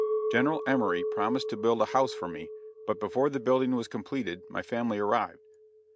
General Emory promised to build a house for me, but before the building was completed my family arrived.